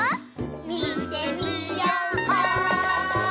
みてみよう！